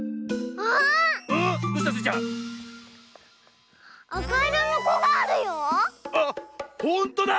あっほんとだ！